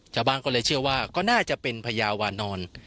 แต่บางคนเลยเชื่อว่าก็น่าจะเป็นพระยาวนอน